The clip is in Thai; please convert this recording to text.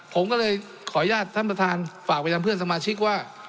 ผมก็เลยขออนุญาตท่านประธานฝากไปยังเพื่อนสมาชิกว่า